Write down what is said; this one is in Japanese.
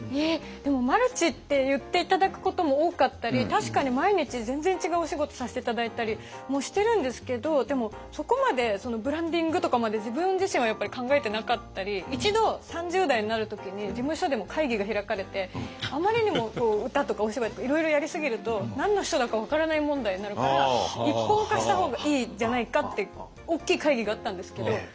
えでもマルチって言って頂くことも多かったり確かに毎日全然違うお仕事させて頂いたりもしてるんですけどでもそこまでブランディングとかまで自分自身はやっぱり考えてなかったり一度３０代になる時に事務所でも会議が開かれてあまりにも歌とかお芝居とかいろいろやりすぎると何の人だか分からない問題になるから一本化した方がいいんじゃないかって大きい会議があったんですけど